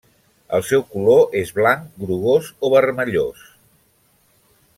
El seu color és blanc, grogós o vermellós.